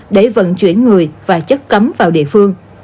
để vận chuyển người và chất cấm vào địa phương